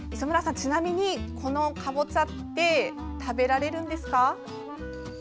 ちなみにこのかぼちゃって食べられるんですか？